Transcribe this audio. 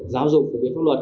giáo dục phục viên pháp luật